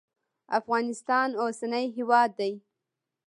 افغانستان اوسنی هیواد دی.